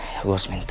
ya gue harus minta